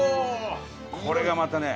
これがまたね